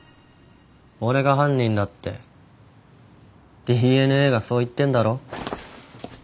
俺が犯人だってＤＮＡがそう言ってんだろ？